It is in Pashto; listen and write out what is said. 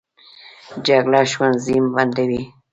جګړه ښوونځي بندوي